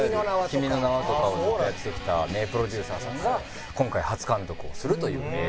『君の名は。』とかをずっとやってきた名プロデューサーさんが今回初監督をするという映画でして。